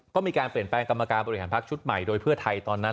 ก็มีการเปลี่ยนแปลงกรรมการบริหารพักชุดใหม่โดยเพื่อไทยตอนนั้น